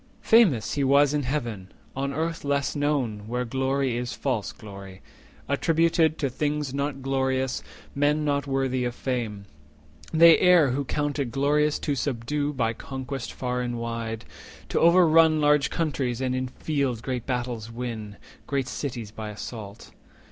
Famous he was in Heaven; on Earth less known, Where glory is false glory, attributed To things not glorious, men not worthy of fame. 70 They err who count it glorious to subdue By conquest far and wide, to overrun Large countries, and in field great battles win, Great cities by assault.